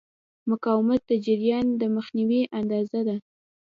مقاومت د جریان د مخنیوي اندازه ده.